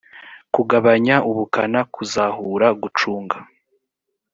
kugabanya ubukana kuzahura gucunga